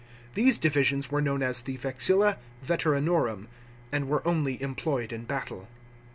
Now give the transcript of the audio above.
These divisions were known as the vexilla veteranorum, $ and were only employed in battle.